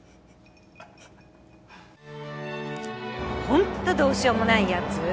ホントどうしようもないやつ。